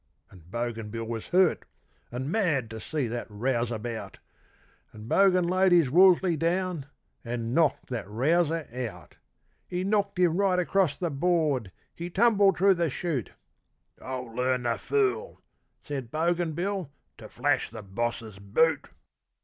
And Bogan Bill was hurt and mad to see that rouseabout; And Bogan laid his 'Wolseley' down and knocked that rouser out; He knocked him right across the board, he tumbled through the shoot 'I'll learn the fool,' said Bogan Bill, 'to flash the Boss's boot!